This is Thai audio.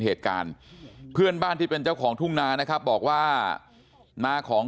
เหตุการณ์เพื่อนบ้านที่เป็นเจ้าของทุ่งนานะครับบอกว่านาของ